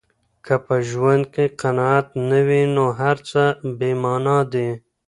که په ژوند کې قناعت نه وي، نو هر څه بې مانا دي.